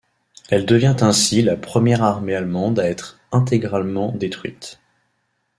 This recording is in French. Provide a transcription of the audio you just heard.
Elle devient ainsi la première armée allemande à être intégralement détruite.